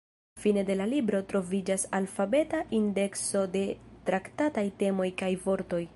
Fine de la libro troviĝas alfabeta indekso de traktataj temoj kaj vortoj.